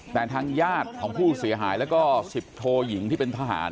แต่ทางญาติของผู้เสียหายแล้วก็๑๐โทยิงที่เป็นทหาร